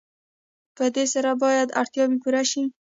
په دې سره باید اړتیاوې پوره شي.